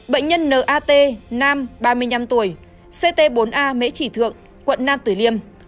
bệnh nhân n a t nam ba mươi năm tuổi ct bốn a mễ trị thượng quận nam tử liêm